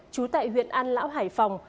trú tại huyện an lão hải phòng